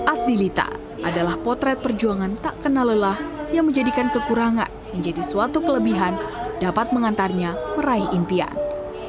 aslita adalah potret perjuangan tak kena lelah yang menjadikan kekurangan menjadi suatu kelebihan dapat mengantarnya meraih impian